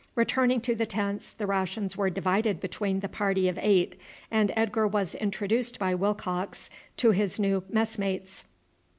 Returning to the tents the rations were divided between the party of eight, and Edgar was introduced by Willcox to his new messmates.